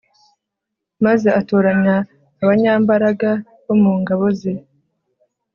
maze atoranya abanyambaraga bo mu ngabo ze